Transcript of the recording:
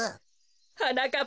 はなかっ